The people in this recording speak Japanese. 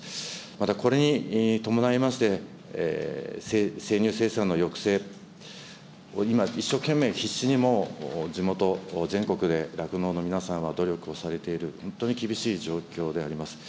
またこれに伴いまして、生乳生産の抑制、今、一生懸命、必死にもう地元、全国で酪農の皆さんは努力をされている、本当に厳しい状況であります。